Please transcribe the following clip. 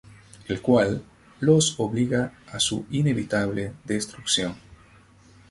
El cual los obliga a su inevitable destrucción.